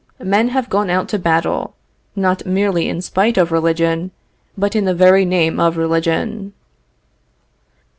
Men have gone out to battle, not merely in spite of religion, but in the very name of religion.